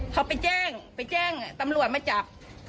เขาไปแจ้งตำรวจมาจับ